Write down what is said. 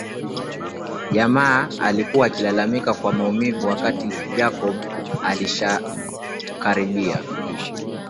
Jamaa alikuwa akilalamika kwa maumivu wakati Jacob alishakaribia